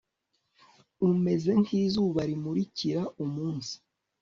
umeze nkizuba rimurikira umunsi